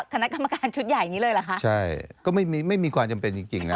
คณะกรรมการชุดใหญ่นี้เลยเหรอคะใช่ก็ไม่มีไม่มีความจำเป็นจริงจริงนะ